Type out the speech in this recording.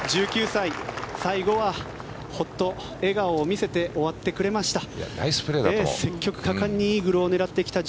１９歳、最後はホッと笑顔を見せて終わってくれました。